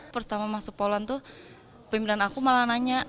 pertama masuk polan tuh pimpinan aku malah nanya